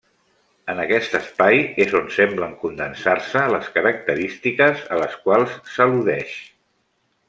En aquest espai és on semblen condensar-se les característiques a les quals s'al·ludeix.